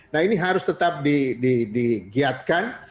nah ini harus tetap di giatkan